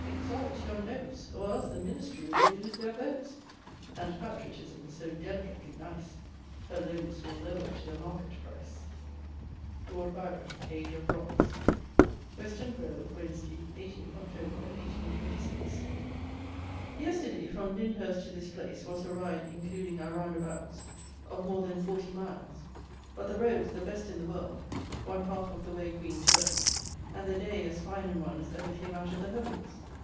exalt your notes, Or else the Ministry will lose their votes, And patriotism, so delicately nice, Her loaves will lower to the market price. LORD BYRON, Age of Bronze. Weston Grove, Wednesday, 18 Oct., 1826. Yesterday, from Lyndhurst to this place, was a ride, including our round abouts, of more than forty miles; but the roads the best in the world, one half of the way green turf; and the day as fine an one as ever came out of the heavens.